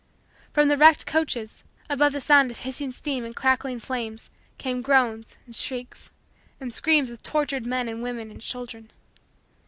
From the wrecked coaches, above the sound of hissing steam and crackling flames, came groans and shrieks and screams of tortured men and women and children.